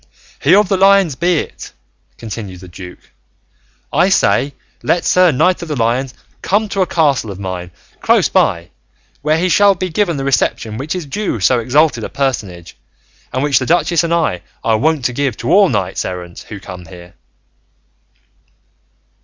"He of the Lions be it," continued the duke; "I say, let Sir Knight of the Lions come to a castle of mine close by, where he shall be given that reception which is due to so exalted a personage, and which the duchess and I are wont to give to all knights errant who come there."